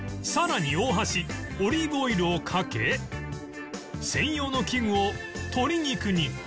さらに大橋オリーブオイルをかけ専用の器具を鶏肉に